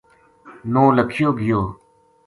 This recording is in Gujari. نو لکھیو گیو